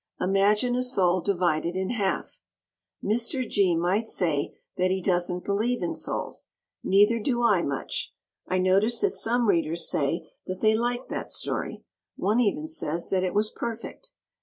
Imagine a soul divided in half. Mr. Gee might say that he doesn't believe in souls. Neither do I, much. I notice that some Readers say that they liked that story. One even says that it was perfect.